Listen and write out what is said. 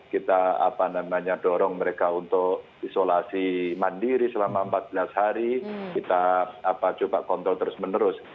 kita dorong mereka untuk isolasi mandiri selama empat belas hari kita coba kontrol terus menerus